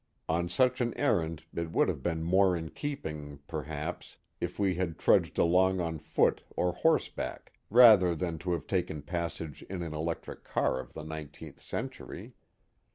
On such an errand it would have been more in keeping, perhaps, if we had trudged along on foot or horseback, rather than to have taken passage in an electric car of the nineteenth century.